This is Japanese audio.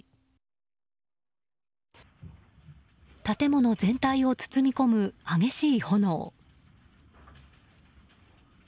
建物全体を包み込む激しい炎。